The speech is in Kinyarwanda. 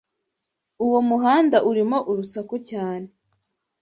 Uwo muhanda urimo urusaku cyane.